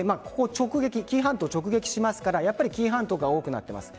紀伊半島を直撃しますから紀伊半島が多くなっています。